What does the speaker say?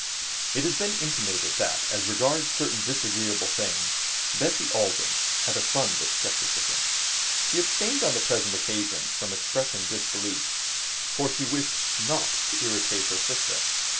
It has been intimated that, as regards certain disagreeable things, Bessie Alden had a fund of skepticism. She abstained on the present occasion from expressing disbelief, for she wished not to irritate her sister.